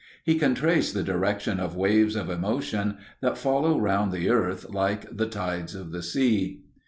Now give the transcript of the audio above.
He can trace the direction of waves of emotion that follow round the earth like tides of the sea.